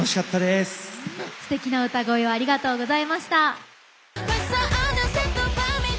すてきな歌声をありがとうございました。